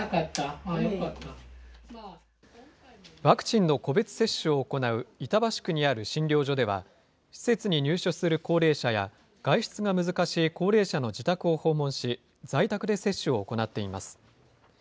ワクチンの個別接種を行う、板橋区にある診療所では、施設に入所する高齢者や、外出が難しい高齢者の自宅を訪問し、在宅で接種を行っています。